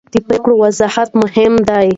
د پرېکړو وضاحت مهم دی